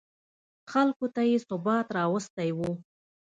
خلکو ته یې ثبات راوستی و.